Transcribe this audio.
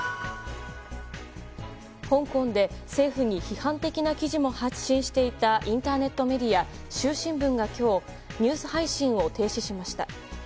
香港で政府に批判的な記事も発信していたインターネットメディア衆新聞が今日ニュース配信を停止しました。